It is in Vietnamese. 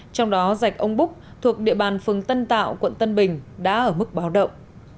trong đó rạch ông búp thuộc địa bàn phường tân tạo quận tân bình đã ở mức báo động